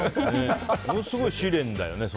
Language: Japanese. ものすごい試練だよね。